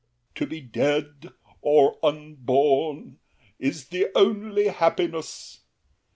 L'ANGELY. To be dead or unborn is The only happiness.